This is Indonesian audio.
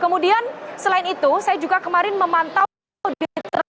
kemudian selain itu saya juga kemarin memantau di terminal dua atau terminal internasional juanda